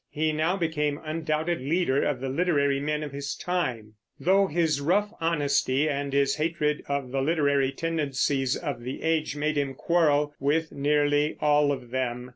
He now became undoubted leader of the literary men of his time, though his rough honesty and his hatred of the literary tendencies of the age made him quarrel with nearly all of them.